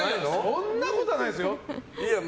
そんなことはないですよ。